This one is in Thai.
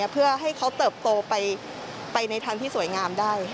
เพื่อให้เขาเติบโตไปในทางที่สวยงามได้